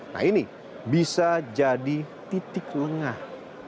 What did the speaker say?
nah ini bisa jadi titik lengah